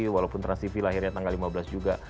walaupun transtv lahirnya tanggal lima belas juga